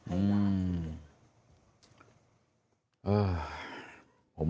อืม